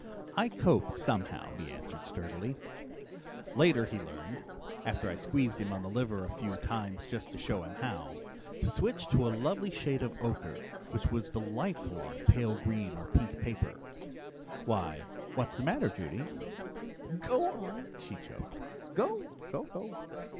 "I coped somehow," he answered sturdily. "Later he learned after I squeezed him on the liver a few times just to show him how to switch to a lovely shade of ochre, which was delightful on pale green or pink paper. Why, what's the matter, Judy?" "Go on," she choked. "Go go go!"